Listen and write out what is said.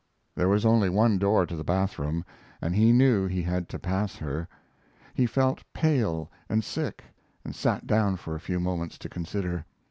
There was only one door to the bath room, and he knew he had to pass her. He felt pale and sick, and sat down for a few moments to consider.